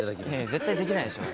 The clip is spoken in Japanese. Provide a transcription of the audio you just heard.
絶対できないでしょ。